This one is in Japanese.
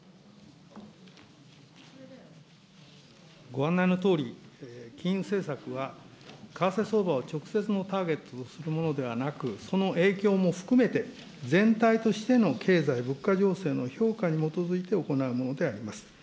ご案内のとおり、金融政策は為替相場を直接のターゲットとするものではなく、その影響も含めて、全体としての経済物価情勢の評価に基づいて行うものであります。